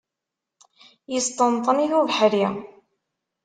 Yesṭenṭen-it ubeḥri.